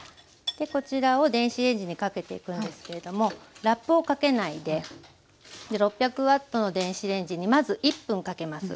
でこちらを電子レンジにかけていくんですけれどもラップをかけないで６００Ｗの電子レンジにまず１分かけます。